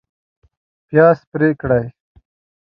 پیاز پرې کړئ